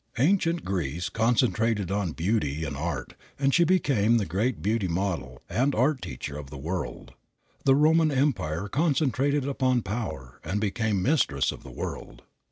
Ancient Greece concentrated on beauty and art, and she became the great beauty model and art teacher of the world. The Roman Empire concentrated upon power and became mistress of the world.